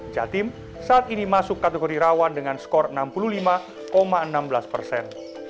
jatim saat ini masuk kategori rawan dengan skor enam puluh lima enam belas persen